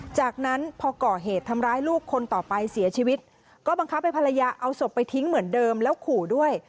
จากนั้นพอก่อเหตุทำร้ายลูกคนต่อไปเสียชีวิตก็บังคับให้ภรรยาเอาศพไปทิ้งเหมือนเดิมแล้วขู่ด้วย